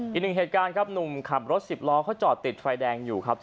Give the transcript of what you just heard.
อีกหนึ่งเหตุการณ์ครับหนุ่มขับรถสิบล้อเขาจอดติดไฟแดงอยู่ครับ